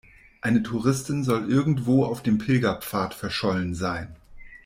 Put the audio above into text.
Eine Touristin soll irgendwo auf dem Pilgerpfad verschollen sein.